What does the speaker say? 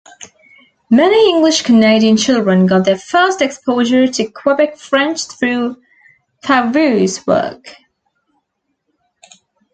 Many English Canadian children got their first exposure to Quebec French through Favreau's work.